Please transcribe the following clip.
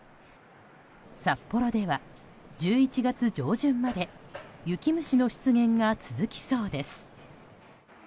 札幌では１１月上旬まで雪虫の出現が続きそうです。